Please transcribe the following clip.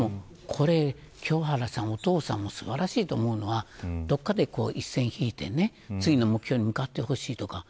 清原さん、お父さんも素晴らしいと思うのはどこかで一線引いて次の目標に向かってほしいとか。